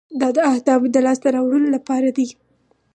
دا د اهدافو د لاسته راوړلو لپاره دی.